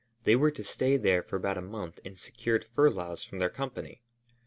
They were to stay there for about a month and secured furloughs from their company.